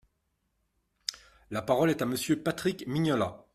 La parole est à Monsieur Patrick Mignola.